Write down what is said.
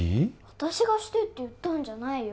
私がしてって言ったんじゃないよ